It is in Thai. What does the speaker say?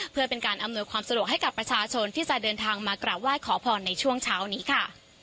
เพื่อเป็นการอำนวยความสะดวกให้กับประชาชนที่จะเดินทางมากราบไหว้ขอพรในช่วงเช้านี้ค่ะ